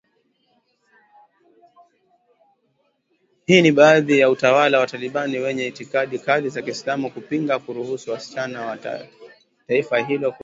Hii ni baada ya utawala wa Taliban wenye itikadi kali za kiislamu, kupinga kuruhusu wasichana wa taifa hilo kuendelea na masomo yao ya sekondari